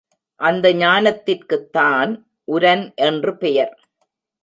அந்த ஞானத்திற்குத்தான் உரன் என்று பெயர்.